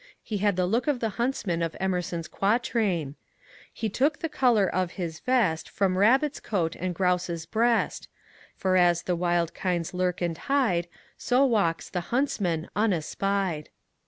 He had the look of the huntsman of Emerson's quatrain :— He took the oolour of his vest From rabbit's ooat and groase's breast ; For as the wild kinds lark and hide, So walks the huntsman unespied.